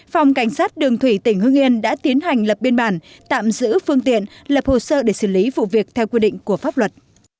phòng cảnh sát đường thủy tỉnh hương yên đã tiến hành lập biên bản tạm giữ phương tiện lập hồ sơ để xử lý vụ việc theo quy định của pháp luật